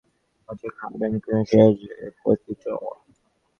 ননির বড়ো ভয় ছিল জগমোহন তার হাতে খাইবেন কি না, সে যে পতিতা।